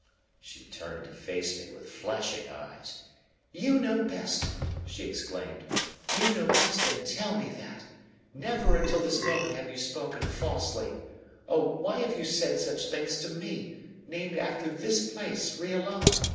She turned to face me with flashing eyes. "You know best!" she exclaimed. "You know best and tell me that! Never until this moment have you spoken falsely. Oh, why have you said such things to me named after this place, Riolama?